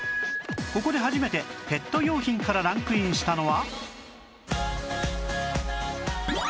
ここで初めてペット用品からランクインしたのは